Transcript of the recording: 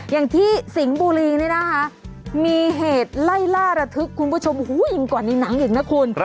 อย่างที่สิงห์บุรีนี่นะคะมีเหตุไล่ล่าระทึกคุณผู้ชมยิ่งกว่าในหนังอีกนะคุณ